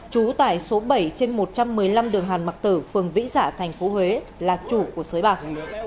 trú tải số bảy trên một trăm một mươi năm đường hàn mạc tử phường vĩ dạ tp huế là chủ của sới bạc